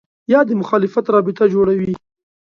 یا د مخالفت رابطه جوړوي